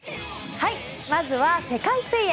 まずは世界水泳。